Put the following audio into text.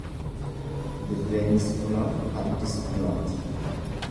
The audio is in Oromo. Dirreenis kunoo fardis kunooti.